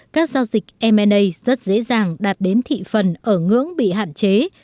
các giao dịch mna rất dễ dàng đạt đến thị phần ở ngưỡng bị hạn chế